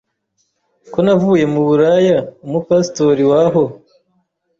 ko navuye mu buraya, umu pastor waho